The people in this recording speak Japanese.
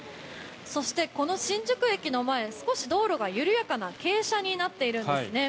そして、この新宿駅の前少し道路が緩やかな傾斜になっているんですね。